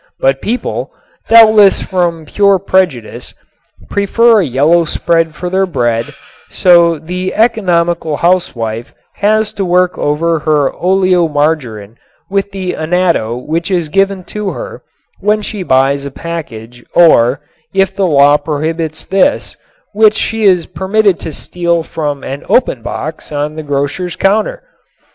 But people doubtless from pure prejudice prefer a yellow spread for their bread, so the economical housewife has to work over her oleomargarin with the annatto which is given to her when she buys a package or, if the law prohibits this, which she is permitted to steal from an open box on the grocer's counter.